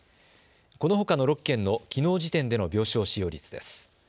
このほかの６県のきのう時点での病床使用率です。